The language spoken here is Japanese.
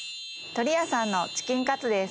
鶏屋さんのチキンカツです。